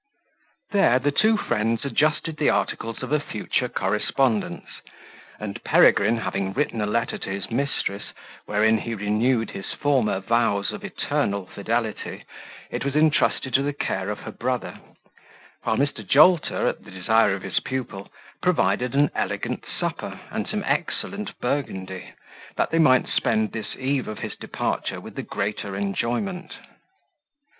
There the two friends adjusted the articles of a future correspondence; and Peregrine, having written a letter to his mistress, wherein he renewed his former vows of eternal fidelity, it was intrusted to the care of her brother, while Mr. Jolter, at the desire of his pupil, provided an elegant supper, and some excellent Burgundy, that they might spend this eve of his departure with the greater enjoyment.